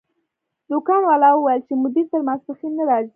دکان والا وویل چې مدیر تر ماسپښین نه راځي.